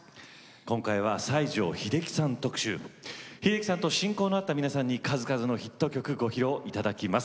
今回は西城秀樹さん特集。秀樹さんと親交のあった皆さんに数々のヒット曲ご披露いただきます。